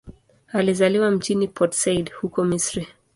Alizaliwa mjini Port Said, huko Misri.